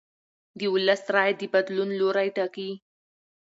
د ولس رایه د بدلون لوری ټاکي